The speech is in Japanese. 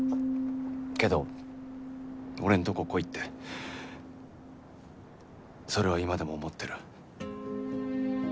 けど俺んとこ来いってそれは今でも思ってる。